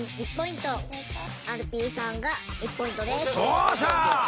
おっしゃ！